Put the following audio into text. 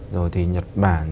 rồi thì nhật bản